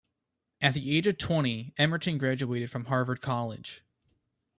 At the age of twenty, Emerton graduated from Harvard College.